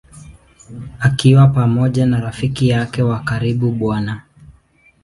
Akiwa pamoja na rafiki yake wa karibu Bw.